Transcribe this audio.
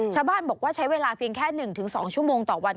ชาวบ้านบอกว่าใช้เวลาเพียงแค่๑๒ชั่วโมงต่อวัน